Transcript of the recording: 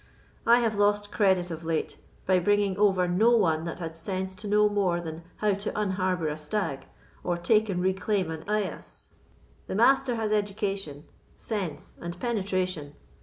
I have lost credit of late, by bringing over no one that had sense to know more than how to unharbour a stag, or take and reclaim an eyas. The Master has education, sense, and penetration."